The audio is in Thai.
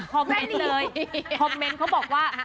ขอบริเวณเลยคอมเม้นต์เขาบอกว่า